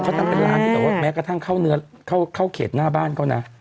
เขาทำเป็นร้านที่แบบว่าแม้กระทั่งเข้าเนื้อเข้าเขตหน้าบ้านเขานะ